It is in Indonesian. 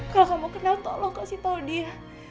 kalo kamu kenal tolong kasih tau dia